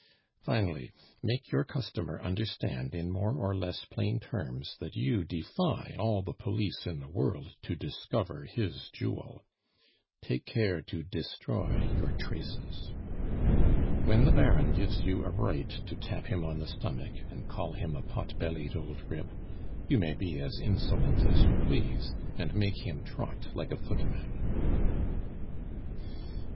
Finally, make your customer understand in more or less plain terms that you defy all the police in the world to discover his jewel. Take care to destroy your traces. "When the Baron gives you a right to tap him on the stomach, and call him a pot bellied old rip, you may be as insolent as you please, and make him trot like a footman."